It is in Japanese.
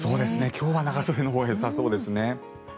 今日は長袖のほうがよさそうですね。